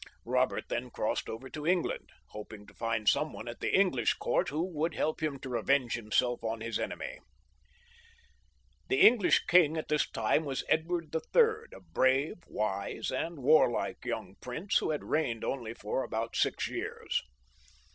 Eobert then crossed over to England, hoping to find some one at the English court who would help him to revenge himself on his enemy. The English king at this time was Edward III., a brave, wise, and warlike young prince, who had reigned 156 PHILIP VL [CH. only for about six years.